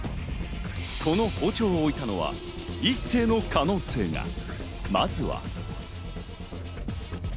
この包丁を置いたのは一星の可能性が。